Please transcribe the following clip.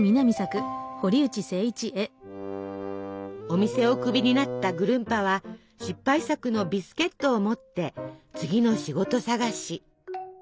お店ををクビになったぐるんぱは失敗作のビスケットを持って次の仕事探し。